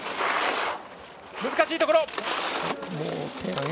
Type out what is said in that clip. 難しいところ。